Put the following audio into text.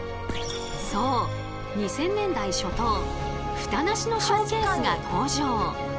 そう２０００年代初頭フタなしのショーケースが登場。